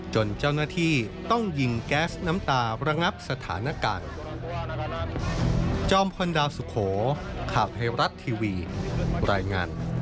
จนเจ้าหน้าที่ต้องยิงแก๊สน้ำตาระงับสถานการณ์